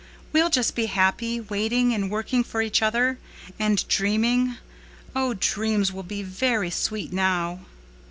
We'll just be happy, waiting and working for each other—and dreaming. Oh, dreams will be very sweet now."